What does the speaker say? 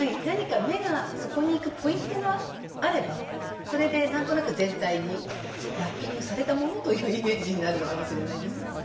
何か目がそこに行くポイントがあればそれで何となく全体にラッピングされたものというイメージになるのかもしれないです。